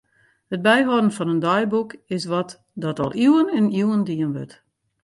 It byhâlden fan in deiboek is wat dat al iuwen en iuwen dien wurdt.